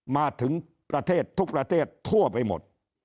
มาถึงประเทศทุกประเทศทั่วไปหมด